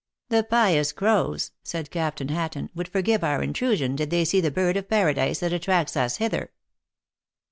"The pious crows," said Captain Hatton, " would forgive our intrusion, did they see the bird of paradise that attracts us hither."